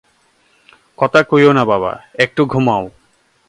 কথা কোয়ো না বাবা, একটু ঘুমোও।